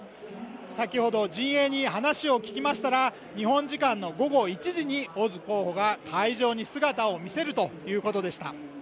先ほど陣営に話を聞きましたら日本時間の午後１時にオズ候補が会場に姿を見せるということでした